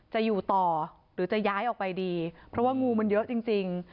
จะอยู่ต่อหรือจะย้ายออกไปดีเพราะว่างูมันเยอะจริง